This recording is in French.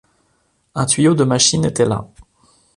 Un tuyau de machine était là.